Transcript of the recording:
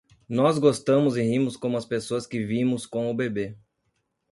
Nós gostamos e rimos como as pessoas que vimos com o bebê.